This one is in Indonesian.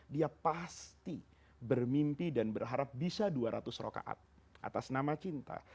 dia pasti bermimpi dan berharap bisa dua ratus rokaat atas nama cinta